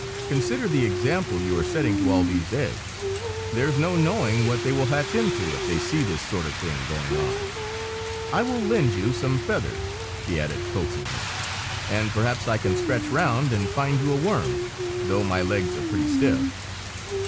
"Consider the example you are setting to all these eggs! There's no knowing what they will hatch into if they see this sort of thing going on. I will lend you some feathers," she added, coaxingly, "and perhaps I can scratch round and find you a worm, though my legs are pretty stiff.